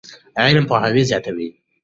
علم پوهاوی زیاتوي.